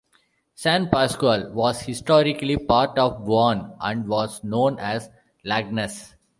San Pascual was historically part of Bauan and was known as "Lagnas".